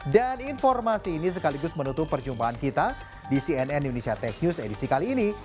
dan informasi ini sekaligus menutup perjumpaan kita di cnn indonesia tech news edisi kali ini